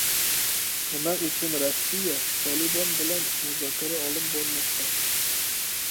Nima uchun Rossiya Tolibon bilan muzokara olib bormoqda?